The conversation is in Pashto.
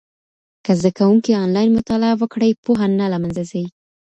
که زده کوونکی انلاین مطالعه وکړي، پوهه نه له منځه ځي.